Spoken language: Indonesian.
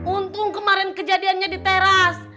untung kemarin kejadiannya di teras